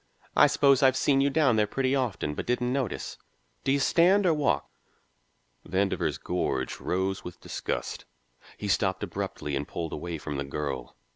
I suppose I've seen you down there pretty often, but didn't notice. Do you stand or walk?" Vandover's gorge rose with disgust. He stopped abruptly and pulled away from the girl.